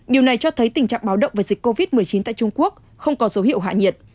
điều này cho thấy tình trạng báo động về dịch covid một mươi chín tại trung quốc không có dấu hiệu hạ nhiệt